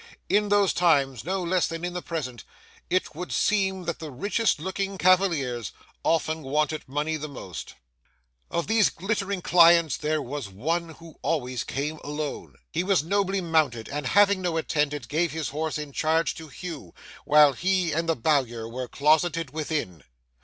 In those times no less than in the present it would seem that the richest looking cavaliers often wanted money the most. [Picture: A Gallant Cavalier] Of these glittering clients there was one who always came alone. He was nobly mounted, and, having no attendant, gave his horse in charge to Hugh while he and the Bowyer were closeted within.